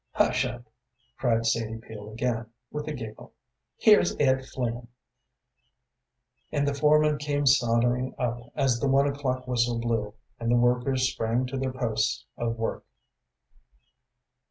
"Hush up!" cried Sadie Peel again, with a giggle. "Here's Ed Flynn." And the foreman came sauntering up as the one o'clock whistle blew, and the workers sprang to their posts of work.